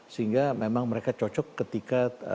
sehingga memang mereka cocok ketika